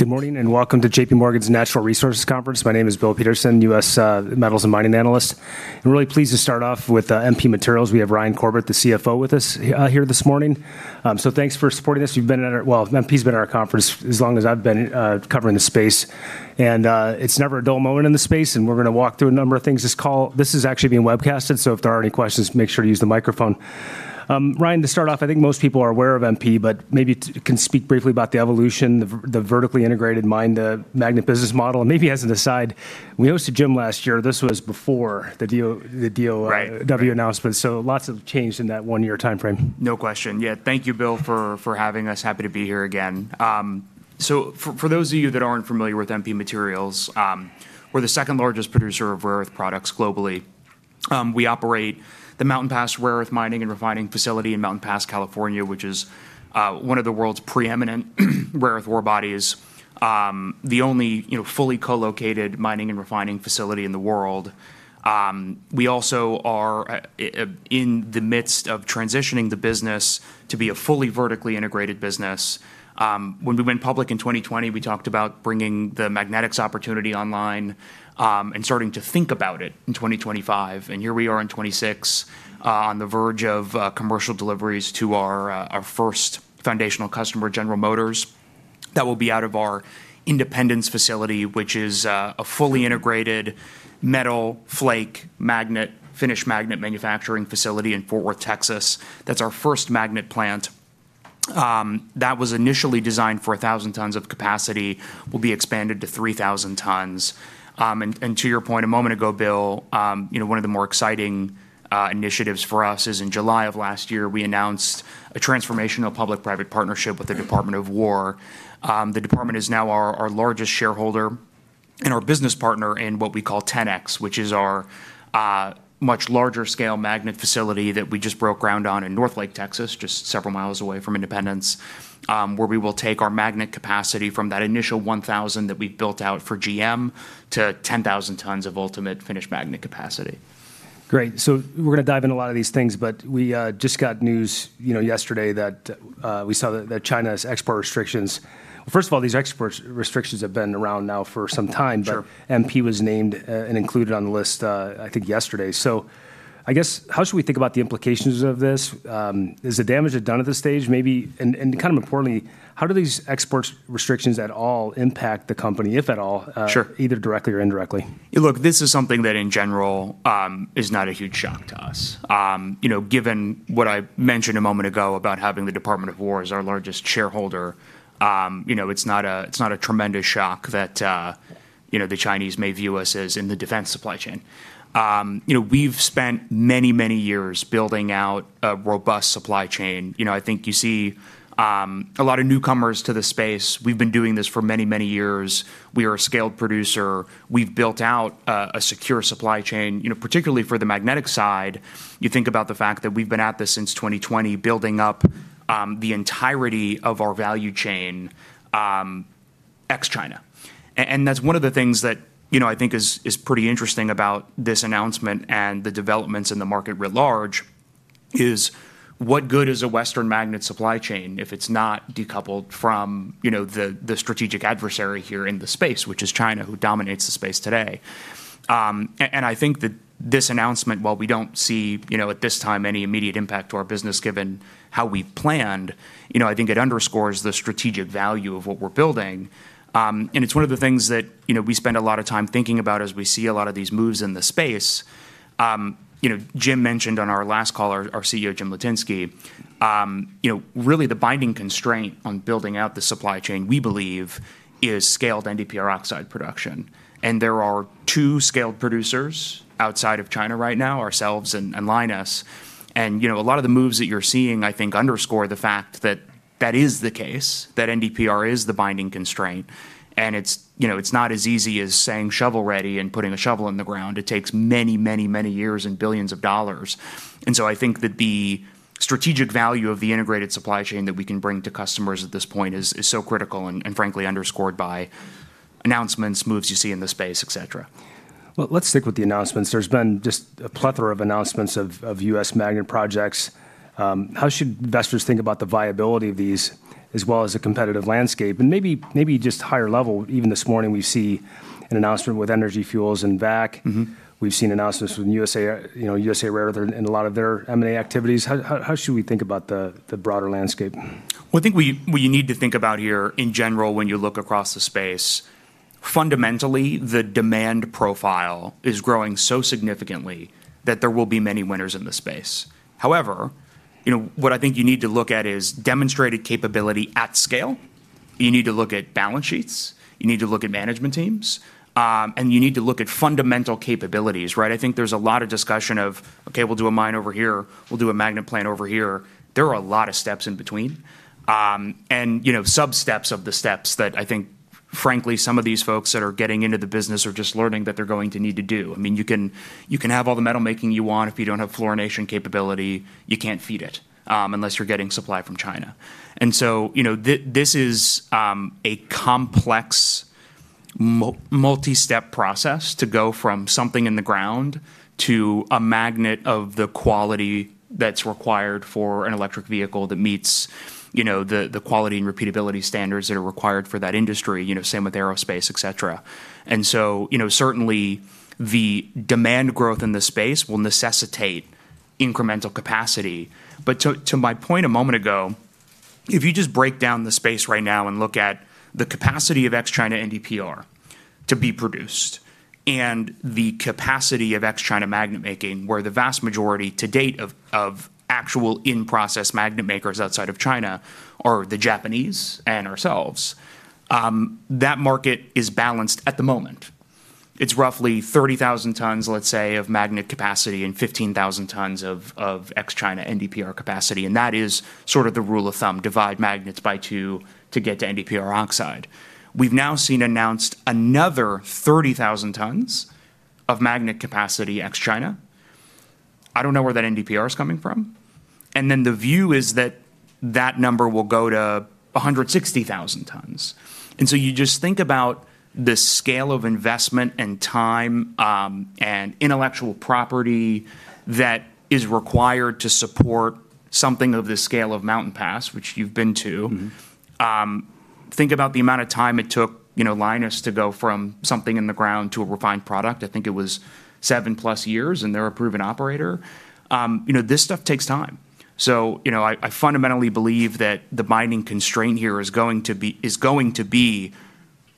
Good morning, and welcome to J.P. Morgan's Natural Resources Conference. My name is Bill Peterson, U.S. Metals and Mining analyst. I'm really pleased to start off with MP Materials. We have Ryan Corbett, the CFO, with us here this morning. Thanks for supporting us. MP has been at our conference as long as I've been covering the space, and it's never a dull moment in the space. We're going to walk through a number of things on this call. This is actually being webcasted, so if there are any questions, make sure to use the microphone. Ryan, to start off, I think most people are aware of MP, but maybe you can speak briefly about the evolution and the vertically integrated magnet business model, and maybe as an aside, we hosted Jim last year. This was before the deal. Right Announcements: lots has changed in that one-year timeframe. No question. Thank you, Bill, for having us. Happy to be here again. For those of you that aren't familiar with MP Materials, we're the second-largest producer of rare earth products globally. We operate the Mountain Pass rare earth mining and refining facility in Mountain Pass, California, which is one of the world's preeminent rare earth ore bodies. The only fully co-located mining and refining facility in the world. We also are in the midst of transitioning the business to be a fully vertically integrated business. When we went public in 2020, we talked about bringing the magnetics opportunity online, and starting to think about it in 2025. Here we are in 2026, on the verge of commercial deliveries to our first foundational customer, General Motors. That will be out of our Independence facility, which is a fully integrated metal flake magnet, finished magnet manufacturing facility in Fort Worth, Texas. That's our first magnet plant. That was initially designed for 1,000 tons of capacity and will be expanded to 3,000 tons. To your point a moment ago, Bill, one of the more exciting initiatives for us was in July of last year, we announced a transformational public-private partnership with the Department of War. The department is now our largest shareholder and our business partner in what we call 10X, which is our much larger-scale magnet facility that we just broke ground on in Northlake, Texas, just several miles away from Independence, where we will take our magnet capacity from that initial 1,000 tons that we built out for GM to 10,000 tons of ultimate finished magnet capacity. Great. We're going to dive into a lot of these things, but we just got news yesterday that we saw China's export restrictions. First of all, these export restrictions have been around now for some time. Sure MP was named and included on the list, I think, yesterday. I guess how should we think about the implications of this? Is the damage done at this stage? Maybe, and kind of importantly, how do these export restrictions at all impact the company, if at all— Sure ...either directly or indirectly? Look, this is something that, in general, is not a huge shock to us. Given what I mentioned a moment ago about having the Department of War as our largest shareholder, it's not a tremendous shock that the Chinese may view us as in the defense supply chain. We've spent many, many years building out a robust supply chain. I think you see a lot of newcomers to the space. We've been doing this for many, many years. We are a scaled producer. We've built out a secure supply chain. Particularly for the magnetic side, you think about the fact that we've been at this since 2020, building up the entirety of our value chain ex-China. That's one of the things that I think is pretty interesting about this announcement and the developments in the market writ large is what good is a Western magnet supply chain if it's not decoupled from the strategic adversary here in the space, which is China, who dominates the space today? I think that this announcement, while we don't see, at this time, any immediate impact to our business given how we've planned, I think it underscores the strategic value of what we're building. It's one of the things that we spend a lot of time thinking about as we see a lot of these moves in the space. Jim mentioned on our last call, our CEO, Jim Litinsky, really the binding constraint on building out the supply chain, we believe, is scaled NdPr oxide production. There are two scaled producers outside of China right now, ourselves and Lynas, a lot of the moves that you're seeing I think underscore the fact that that is the case, that NdPr is the binding constraint. It's not as easy as saying shovel-ready and putting a shovel in the ground. It takes many, many, many years and billions of dollars. I think that the strategic value of the integrated supply chain that we can bring to customers at this point is so critical and, frankly, underscored by announcements, moves you see in the space, et cetera. Well, let's stick with the announcements. There's been just a plethora of announcements of U.S. magnet projects. How should investors think about the viability of these as well as the competitive landscape? Maybe just higher level, even this morning we saw an announcement with Energy Fuels and VAC. Mm-hmm We've seen announcements with USA Rare Earth and a lot of their M&A activities. How should we think about the broader landscape? I think what you need to think about here, in general, when you look across the space, fundamentally the demand profile is growing so significantly that there will be many winners in the space. What I think you need to look at is demonstrated capability at scale. You need to look at balance sheets, you need to look at management teams, and you need to look at fundamental capabilities, right? I think there's a lot of discussion of, Okay, we'll do a mine over here. We'll do a magnet plant over here. There are a lot of steps in between. Sub-steps of the steps that I think, frankly, some of these folks that are getting into the business are just learning that they're going to need to take. You can have all the metal making you want. If you don't have fluorination capability, you can't feed it unless you're getting supply from China. This is a complex multi-step process to go from something in the ground to a magnet of the quality that's required for an electric vehicle that meets the quality and repeatability standards that are required for that industry. Same with aerospace, et cetera. Certainly the demand growth in the space will necessitate incremental capacity. To my point a moment ago, if you just break down the space right now and look at the capacity of ex-China NdPr to be produced and the capacity of ex-China magnet making, where the vast majority to date of actual in-process magnet makers outside of China are the Japanese and ourselves, that market is balanced at the moment. It's roughly 30,000 tons, let's say, of magnet capacity and 15,000 tons of ex-China NdPr capacity, and that is sort of the rule of thumb. Divide magnets by two to get to NdPr oxide. We've now seen announced another 30,000 tons of magnet capacity ex-China announced I don't know where that NdPr is coming from. The view is that that number will go to 160,000 tons. You just think about the scale of investment and time, and intellectual property that is required to support something of this scale of Mountain Pass, which you've been to. Think about the amount of time it took Lynas to go from something in the ground to a refined product. I think it was seven plus years, and they're a proven operator. I fundamentally believe that the binding constraint here is going to be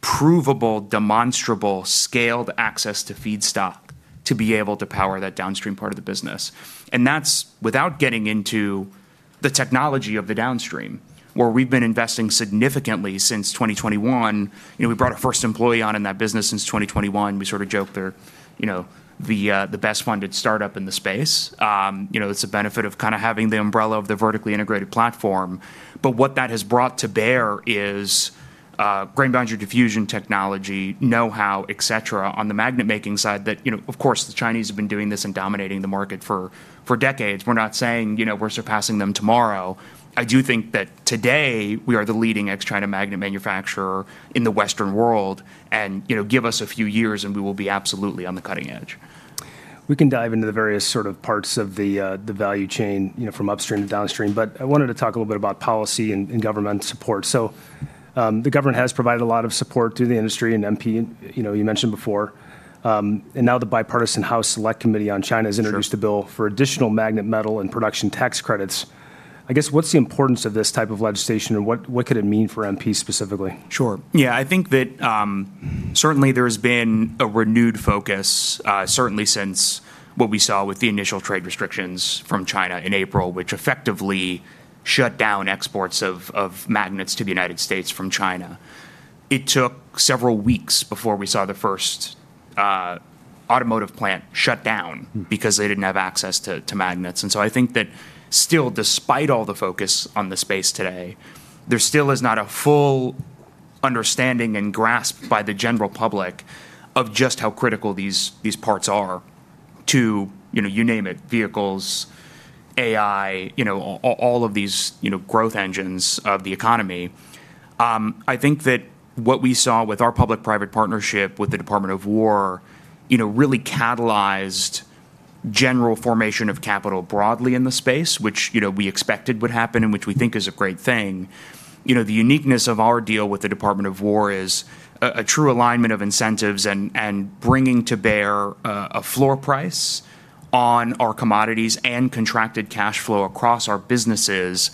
provable, demonstrable, scaled access to feedstock to be able to power that downstream part of the business. That's without getting into the technology of the downstream, where we've been investing significantly since 2021. We brought our first employee on in that business since 2021. We sort of joke they're the best-funded startup in the space. It's a benefit of having the umbrella of the vertically integrated platform. What that has brought to bear is grain boundary diffusion technology, know-how, et cetera, on the magnet-making side; and, of course, the Chinese have been doing this and dominating the market for decades. We are not saying we are surpassing them tomorrow. I do think that today we are the leading ex-China magnet manufacturer in the Western world, and give us a few years and we will be absolutely on the cutting edge. We can dive into the various parts of the value chain from upstream to downstream. I wanted to talk a little bit about policy and government support. The government has provided a lot of support to the industry, and MP, you mentioned it before. Now the bipartisan House Select Committee on China— Sure ...has introduced a bill for additional magnet metal and production tax credits. I guess, what's the importance of this type of legislation, and what could it mean for MP specifically? Sure. Yeah, I think that certainly there has been a renewed focus, certainly since what we saw with the initial trade restrictions from China in April, which effectively shut down exports of magnets to the United States from China. It took several weeks before we saw the first automotive plant shut down because they didn't have access to magnets. I think that still, despite all the focus on space today, there still is not a full understanding and grasp by the general public of just how critical these parts are to, you name it, vehicles, AI, and all of these growth engines of the economy. I think that what we saw with our public-private partnership with the Department of War really catalyzed general formation of capital broadly in the space, which we expected would happen and which we think is a great thing. The uniqueness of our deal with the Department of War is a true alignment of incentives, and bringing to bear a floor price on our commodities and contracted cash flow across our businesses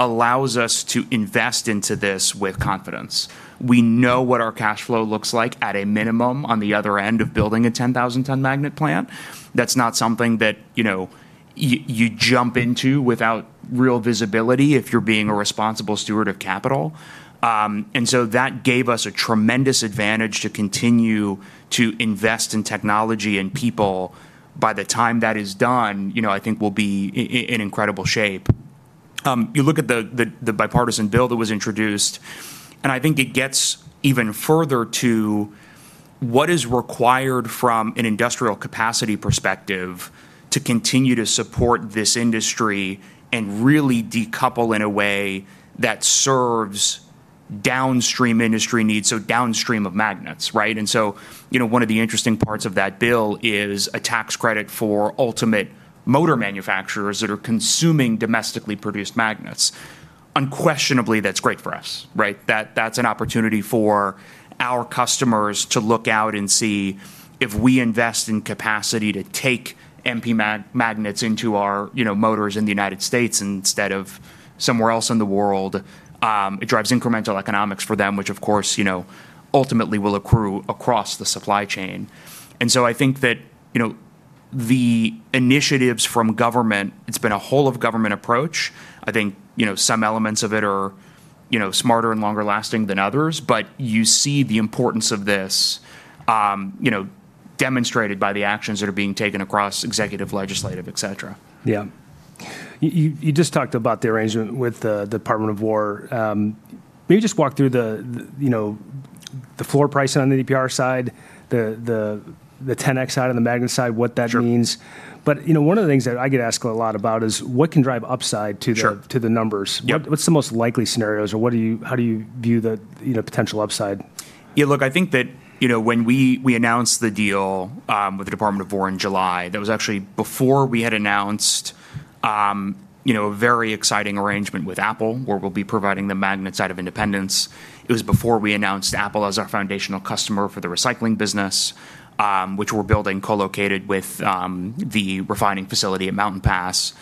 allows us to invest in this with confidence. We know what our cash flow looks like at a minimum on the other end of building a 10,000-ton magnet plant. That's not something that you jump into without real visibility if you're being a responsible steward of capital. That gave us a tremendous advantage to continue to invest in technology and people. By the time that is done, I think we'll be in incredible shape. You look at the bipartisan bill that was introduced, I think it gets even further to what is required from an industrial capacity perspective to continue to support this industry and really decouple in a way that serves downstream industry needs, so downstream of magnets, right. One of the interesting parts of that bill is a tax credit for electric motor manufacturers that are consuming domestically produced magnets. Unquestionably, that's great for us, right. That's an opportunity for our customers to look out and see if we invest in capacity to take MP magnets into our motors in the United States instead of somewhere else in the world. It drives incremental economics for them, which, of course, ultimately will accrue across the supply chain. I think that the initiatives from government, it's been a whole of government approach. I think some elements of it are smarter and longer-lasting than others, you see the importance of this demonstrated by the actions that are being taken across executive, legislative, etc. Yeah. You just talked about the arrangement with the Department of War. Maybe just walk through the floor price on the NdPr side, the 10X side, and the magnet side and what that means. Sure. One of the things that I get asked a lot about is what can drive upside to the— Sure ...to the numbers. Yep. What are the most likely scenarios, or how do you view the potential upside? Yeah, look, I think that when we announced the deal with the Department of War in July, that was actually before we had announced a very exciting arrangement with Apple, where we'll be providing the magnet side of Independence. It was before we announced Apple as our foundational customer for the recycling business, which we're building co-located with the refining facility at Mountain Pass.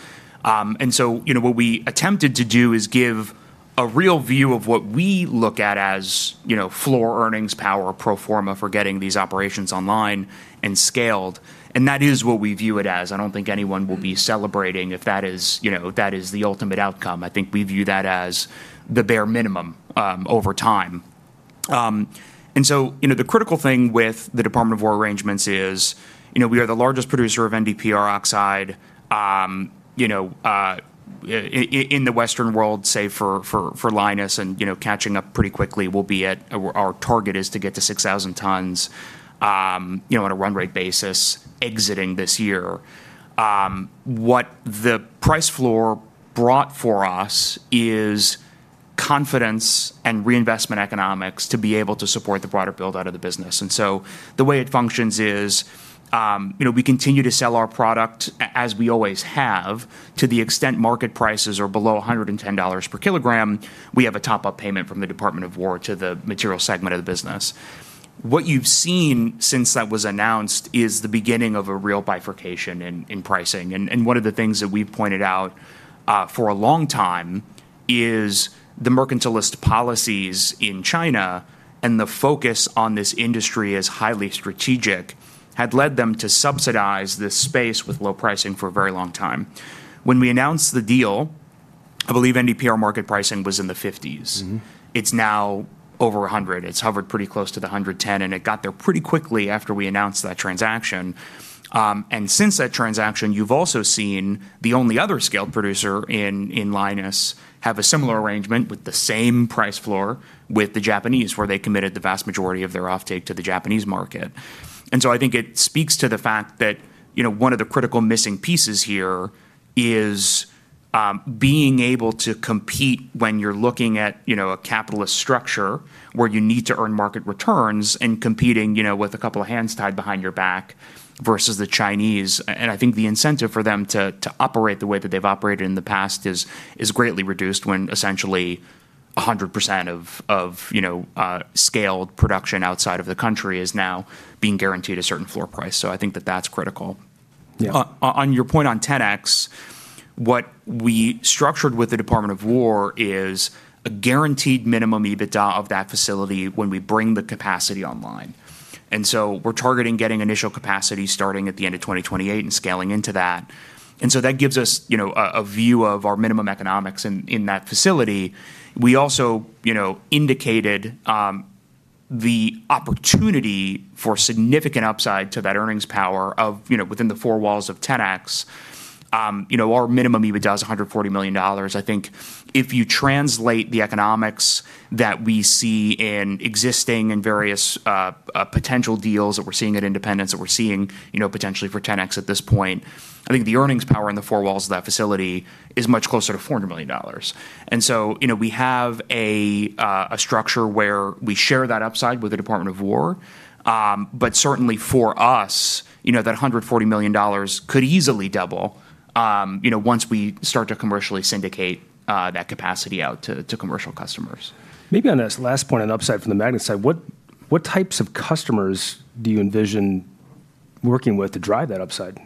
what we attempted to do is give a real view of what we look at as floor earnings power pro forma for getting these operations online and scaled, and that is what we view it as. I don't think anyone will be celebrating if that is the ultimate outcome. I think we view that as the bare minimum over time. The critical thing with the Department of War arrangements is we are the largest producer of NdPr oxide in the Western world, say, for Lynas, and catching up pretty quickly. Our target is to get to 6,000 tons on a run rate basis exiting this year. What the price floor brought for us is confidence and reinvestment economics to be able to support the broader build-out of the business. The way it functions is we continue to sell our product, as we always have. To the extent market prices are below $110 per kilogram, we have a top-up payment from the Department of War to the materials segment of the business. What you've seen since that was announced is the beginning of a real bifurcation in pricing. One of the things that we've pointed out for a long time is that the mercantilist policies in China and the focus on this industry as highly strategic have led them to subsidize this space with low pricing for a very long time. When we announced the deal, I believe NdPr market pricing was in the $50s. It's now over $100. It's hovered pretty close to $110, and it got there pretty quickly after we announced that transaction. Since that transaction, you've also seen the only other scaled producer in Lynas have a similar arrangement with the same price floor with the Japanese, where they committed the vast majority of their offtake to the Japanese market. I think it speaks to the fact that one of the critical missing pieces here is being able to compete when you're looking at a capitalist structure where you need to earn market returns and competing with a couple of hands tied behind your back versus the Chinese. I think the incentive for them to operate the way that they've operated in the past is greatly reduced when essentially 100% of scaled production outside of the country is now being guaranteed a certain floor price. I think that that's critical. Yeah. On your point on 10X, what we structured with the Department of War is a guaranteed minimum EBITDA of that facility when we bring the capacity online. We're targeting getting initial capacity starting at the end of 2028 and scaling into that. That gives us a view of our minimum economics in that facility. We also indicated the opportunity for significant upside to that earnings power within the four walls of 10X. Our minimum EBITDA is $140 million. I think if you translate the economics that we see in existing and various potential deals that we're seeing at Independence, which we're seeing potentially for 10X at this point, I think the earnings power in the four walls of that facility is much closer to $400 million. We have a structure where we share that upside with the Department of War. Certainly, for us, that $140 million could easily double once we start to commercially syndicate that capacity out to commercial customers. Maybe on this last point, on the upside from the magnet side, what types of customers do you envision working with to drive that upside?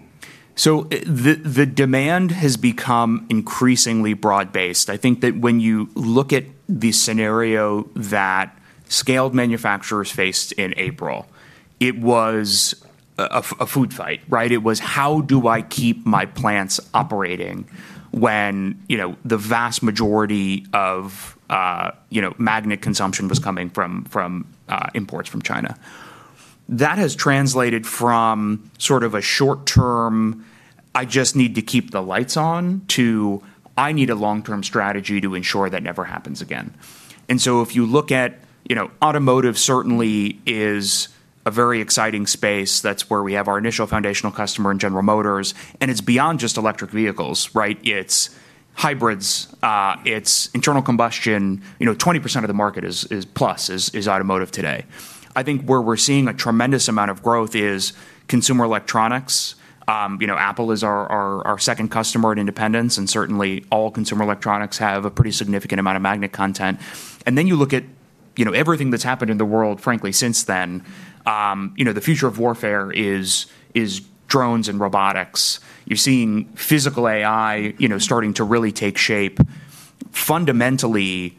The demand has become increasingly broad-based. I think that when you look at the scenario that scaled manufacturers faced in April, it was a food fight, right? It was, How do I keep my plants operating when the vast majority of magnet consumption is coming from imports from China? That has translated from sort of a short-term, I just need to keep the lights on, to, I need a long-term strategy to ensure that never happens again. If you look at it, automotive certainly is a very exciting space. That's where we have our initial foundational customer in General Motors, and it's beyond just electric vehicles, right? It's hybrids. It's internal combustion. 20% of the market plus is automotive today. I think where we're seeing a tremendous amount of growth is consumer electronics. Apple is our second customer at Independence, and certainly, all consumer electronics have a pretty significant amount of magnet content. Then you look at everything that's happened in the world, frankly, since then. The future of warfare is drones and robotics. You're seeing physical AI starting to really take shape. Fundamentally,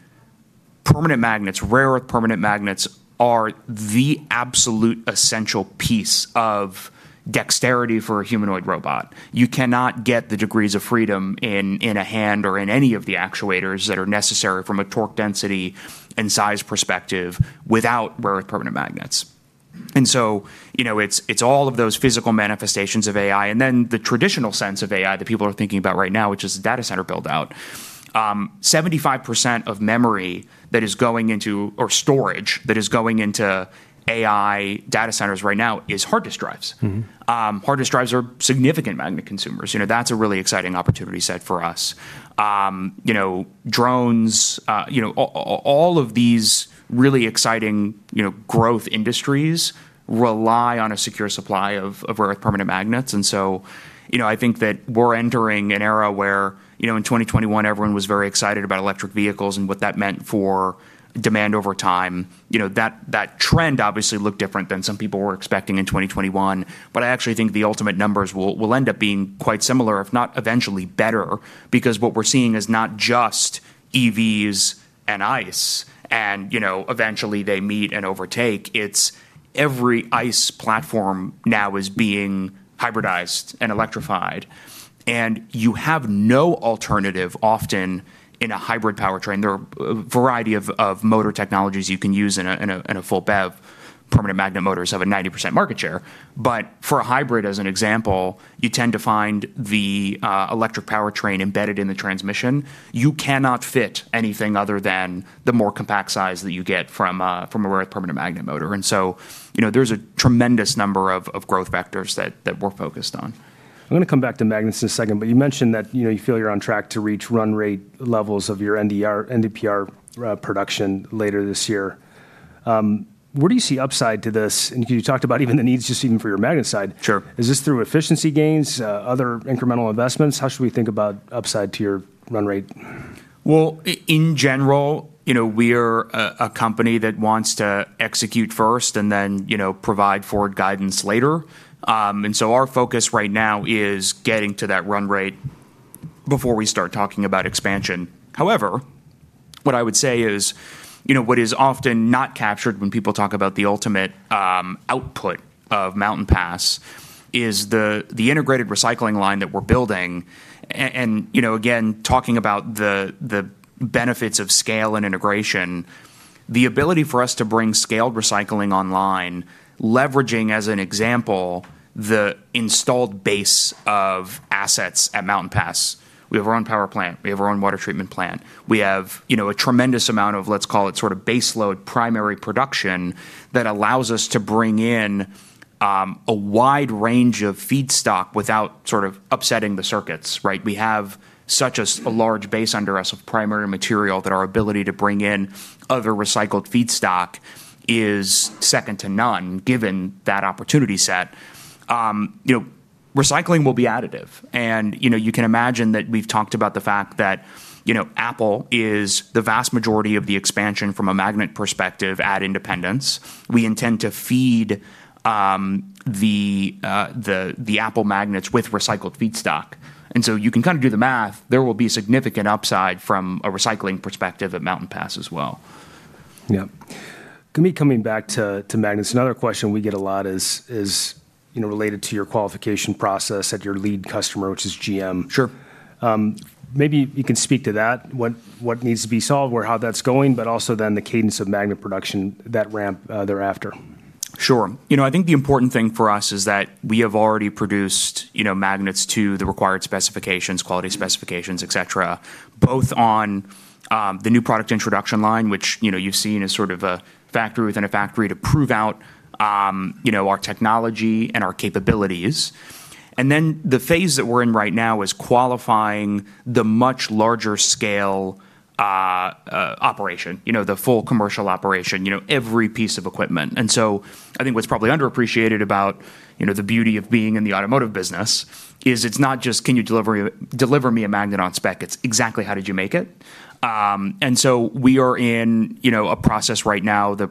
permanent magnets, rare-earth permanent magnets, are the absolute essential piece of dexterity for a humanoid robot. You cannot get the degrees of freedom in a hand or in any of the actuators that are necessary from a torque density and size perspective without rare-earth permanent magnets. So, it's all of those physical manifestations of AI, and then the traditional sense of AI that people are thinking about right now, which is data center build-out. 75% of memory that is going into AI data centers right now is hard disk drives. Hard disk drives are significant magnet consumers. That's a really exciting opportunity set for us. Drones, all of these really exciting growth industries rely on a secure supply of rare-earth permanent magnets. So, I think that we're entering an era where, in 2021, everyone was very excited about electric vehicles and what that meant for demand over time. That trend obviously looked different than some people were expecting in 2021, but I actually think the ultimate numbers will end up being quite similar, if not eventually better, because what we're seeing is not just EVs and ICE, and eventually they meet and overtake. It's that every ICE platform now is being hybridized and electrified, and you have no alternative often in a hybrid powertrain. There are a variety of motor technologies you can use in a full BEV. Permanent magnet motors have a 90% market share. For a hybrid, as an example, you tend to find the electric powertrain embedded in the transmission. You cannot fit anything other than the more compact size that you get from a rare earth permanent magnet motor. There's a tremendous number of growth vectors that we're focused on. I'm going to come back to magnets in a second, but you mentioned that you feel you're on track to reach run rate levels of your NdPr production later this year. Where do you see upside to this? You talked about even the needs just even for your magnet's side. Sure. Is this through efficiency gains or other incremental investments? How should we think about the upside to your run rate? Well, in general, we're a company that wants to execute first and then provide forward guidance later. Our focus right now is getting to that run rate before we start talking about expansion. However, what I would say is, what is often not captured when people talk about the ultimate output of Mountain Pass is the integrated recycling line that we're building. Again, talking about the benefits of scale and integration, we have the ability to bring scaled recycling online, leveraging, as an example, the installed base of assets at Mountain Pass. We have our own power plant, we have our own water treatment plant. We have a tremendous amount of, let's call it, base load primary production that allows us to bring in a wide range of feedstock without upsetting the circuits, right? We have such a large base under us of primary material that our ability to bring in other recycled feedstock is second to none, given that opportunity set. Recycling will be additive, you can imagine that we've talked about the fact that Apple is the vast majority of the expansion from a magnet perspective at Independence. We intend to feed the Apple magnets with recycled feedstock. You can kind of do the math. There will be significant upside from a recycling perspective at Mountain Pass as well. Yeah. Coming back to magnets, another question we get a lot is related to your qualification process at your lead customer, which is GM Sure. Maybe you can speak to that, what needs to be solved or how that's going, and also the cadence of magnet production, that ramp thereafter. Sure. I think the important thing for us is that we have already produced magnets to the required specifications, quality specifications, etc., both on the new product introduction line, which you've seen as sort of a factory within a factory to prove out our technology and our capabilities. The phase that we're in right now is qualifying the much larger-scale operation, the full commercial operation, and every piece of equipment. I think what's probably underappreciated about the beauty of being in the automotive business is it's not just, Can you deliver me a magnet on spec? It's, exactly how did you make it? We are in a process right now, the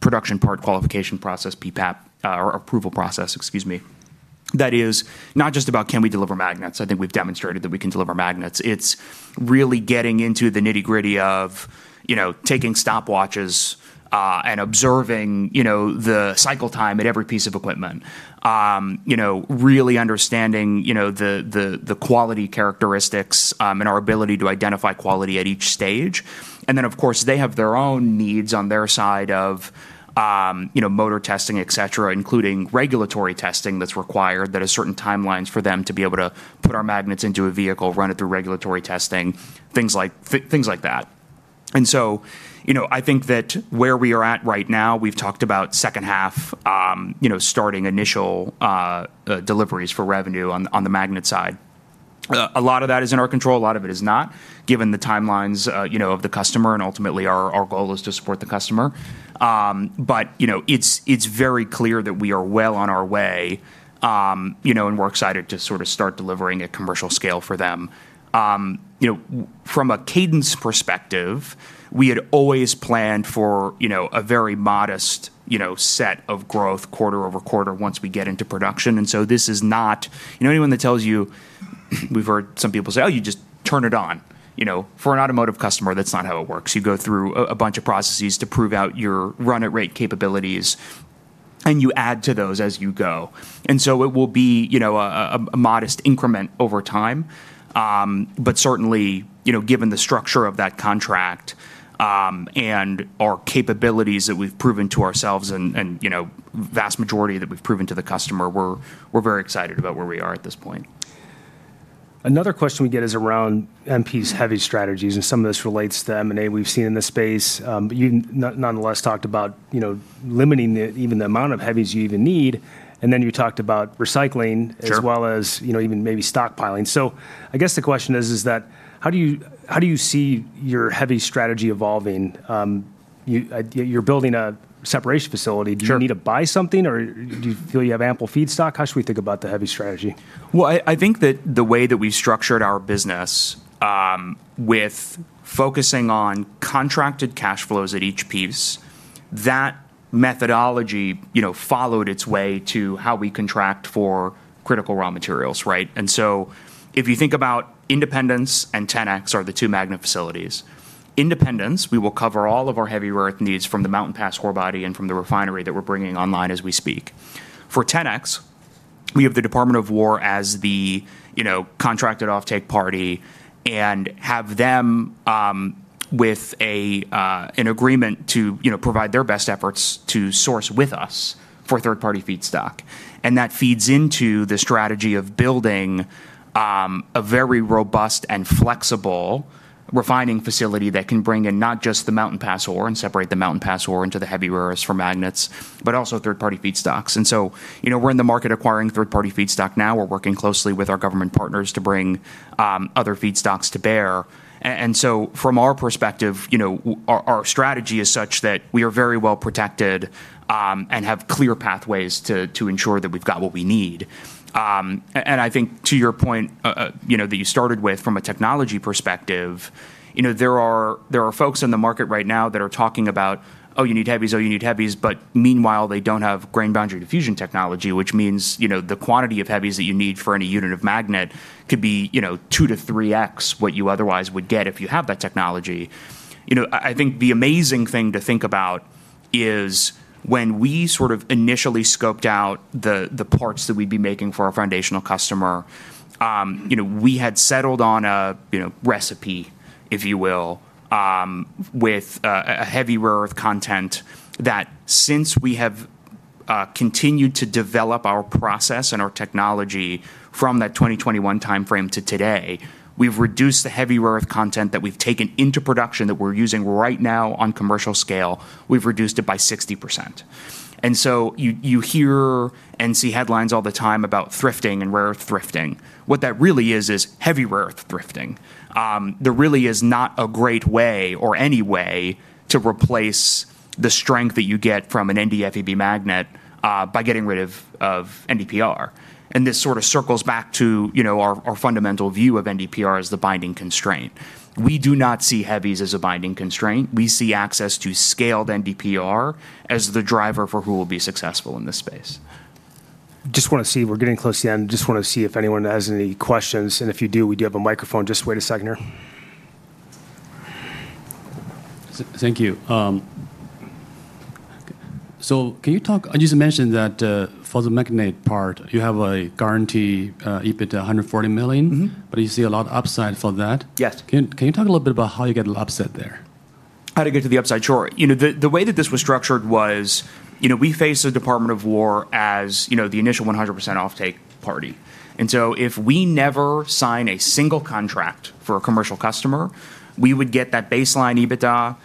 Production Part Approval Process, or PPAP, or approval process, excuse me, that is not just about can we deliver magnets. I think we've demonstrated that we can deliver magnets. It's really getting into the nitty-gritty of taking stopwatches and observing the cycle time at every piece of equipment. Really understanding the quality characteristics and our ability to identify quality at each stage. Of course, they have their own needs on their side of motor testing, et cetera, including regulatory testing that's required and that has certain timelines for them to be able to put our magnets into a vehicle, run it through regulatory testing, and things like that. I think that where we are at right now, we've talked about the second half, starting initial deliveries for revenue on the magnet side. A lot of that is in our control, a lot of it is not, given the timelines of the customer, and ultimately our goal is to support the customer. It's very clear that we are well on our way, and we're excited to start delivering at commercial scale for them. From a cadence perspective, we had always planned for a very modest set of growth quarter-over-quarter once we get into production. This is not, you know, anyone that tells you. we've heard some people say, Oh, you just turn it on. For an automotive customer, that's not how it works. You go through a bunch of processes to prove out your run at rate capabilities, and you add to those as you go. It will be a modest increment over time. Certainly, given the structure of that contract and our capabilities that we've proven to ourselves and the vast majority that we've proven to the customer, we're very excited about where we are at this point. Another question we get is around MP's heavy strategies. Some of this relates to M&A we've seen in the space. You nonetheless talked about limiting even the amount of heavies you even need, and then you talked about recycling— Sure ...as well as even maybe stockpiling. I guess the question is how do you see your heavy strategy evolving? You're building a separation facility. Sure. Do you need to buy something, or do you feel you have ample feedstock? How should we think about the heavy strategy? I think that the way that we've structured our business, with a focus on contracted cash flows at each piece, that methodology found its way to how we contract for critical raw materials, right? If you think about it, Independence and 10X are the two magnet facilities. Independently, we will cover all of our heavy earth needs from the Mountain Pass ore body and from the refinery that we're bringing online as we speak. For 10X, we have the Department of War as the contractor off-take party and have them with an agreement to provide their best efforts to source with us for third-party feedstock. That feeds into the strategy of building a very robust and flexible refining facility that can bring in not just the Mountain Pass ore and separate the Mountain Pass ore into the heavy rares for magnets but also third-party feedstocks. We're in the market acquiring third-party feedstock now. We're working closely with our government partners to bring other feedstocks to bear. From our perspective, our strategy is such that we are very well protected and have clear pathways to ensure that we've got what we need. I think, to your point that you started with, from a technology perspective, there are folks in the market right now that are talking about, Oh, you need heavies, but meanwhile, they don't have grain boundary diffusion technology, which means the quantity of heavies that you need for any unit of magnet could be two to three times what you otherwise would get if you had that technology. I think the amazing thing to think about is when we sort of initially scoped out the parts that we'd be making for our foundational customer, we had settled on a recipe, if you will, with a heavy rare earth content, and since we have continued to develop our process and our technology from that 2021 timeframe to today, we've reduced the heavy rare earth content that we've taken into production that we're using right now on a commercial scale, we've reduced it by 60%. You hear and see headlines all the time about thrifting and rare-earth thrifting. What that really is is heavy rare-earth thrifting. There really is not a great way or any way to replace the strength that you get from an NdFeB magnet by getting rid of NdPr. This sort of circles back to our fundamental view of NdPr as the binding constraint. We do not see heavies as a binding constraint. We see access to scaled NdPr as the driver for who will be successful in this space. Just want to see, we're getting close to the end, just want to see if anyone has any questions. If you do, we do have a microphone. Just wait a second here. Thank you. Can you talk, you just mentioned that for the magnet part, you have a guaranteed EBITDA of $140 million. Mm-hmm. You see a lot of upside for that. Yes. Can you talk a little bit about how you get the upside there? How to get to the upside? Sure. The way that this was structured was we faced the Department of War as the initial 100% offtake party. If we had never signed a single contract for a commercial customer, we would get that baseline EBITDA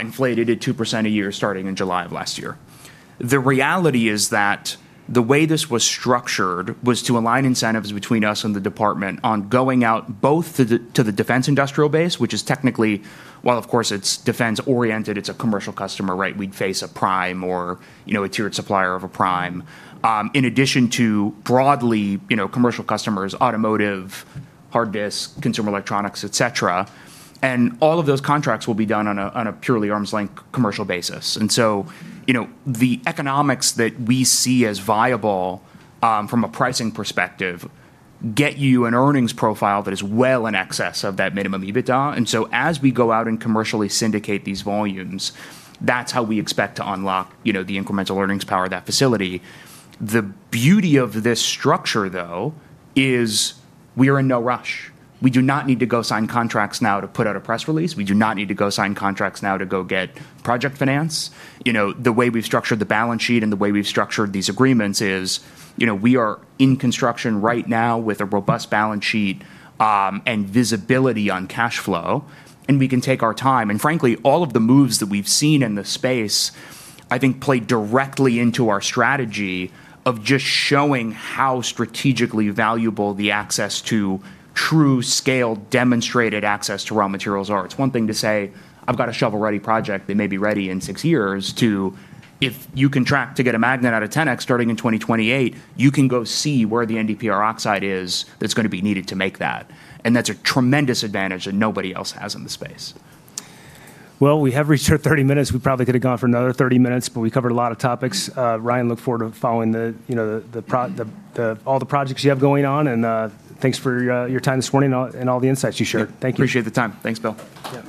inflated at 2% a year starting in July of last year. The reality is that the way this was structured was to align incentives between us and the department on going out both to the defense industrial base, which is technically, while of course it's defense-oriented, a commercial customer, right? We'd face a prime or a tiered supplier of a prime. In addition to broadly commercial customers, automotive, hard disk, consumer electronics, et cetera, all of those contracts will be done on a purely arm's-length commercial basis. The economics that we see as viable, from a pricing perspective, get you an earnings profile that is well in excess of that minimum EBITDA. As we go out and commercially syndicate these volumes, that's how we expect to unlock the incremental earnings power of that facility. The beauty of this structure, though, is we are in no rush. We do not need to go sign contracts now to put out a press release. We do not need to go sign contracts now to go get project finance. The way we've structured the balance sheet and the way we've structured these agreements is we are in construction right now with a robust balance sheet and visibility on cash flow, and we can take our time. Frankly, all of the moves that we've seen in the space, I think, play directly into our strategy of just showing how strategically valuable the access to true scale and demonstrated access to raw materials are. It's one thing to say, I've got a shovel-ready project that may be ready in six years, but if you contract to get a magnet out of 10X starting in 2028, you can go see where the NdPr oxide is that's going to be needed to make that. That's a tremendous advantage that nobody else has in the space. Well, we have reached our 30 minutes. We probably could've gone for another 30 minutes, but we covered a lot of topics. Ryan, I look forward to following all the projects you have going on, and thanks for your time this morning and all the insights you shared. Thank you. Appreciate the time. Thanks, Bill.